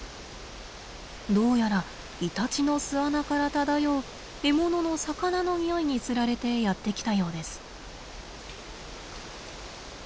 どうやらイタチの巣穴から漂う獲物の魚のにおいに釣られてやって来たようです。